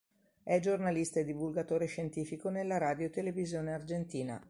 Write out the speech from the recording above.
È giornalista e divulgatore scientifico nella radio e televisione argentina.